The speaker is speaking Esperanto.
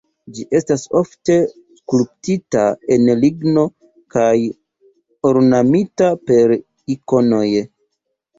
Ĝi estas ofte skulptita el ligno kaj ornamita per ikonoj.